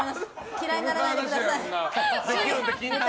嫌いにならないでください。